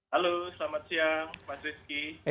halo selamat siang mas rizky